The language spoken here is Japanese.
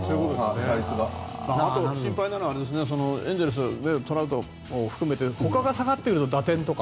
あと心配なのはエンゼルス、トラウトを含め他が下がってると、打点とか。